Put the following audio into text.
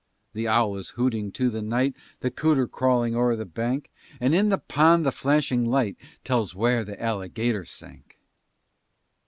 The owl is hooting to the night, The cooter crawling o'er the bank, And in that pond the flashing light Tells where the alligator sank.